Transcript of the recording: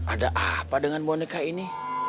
ada apa dengan boneka ini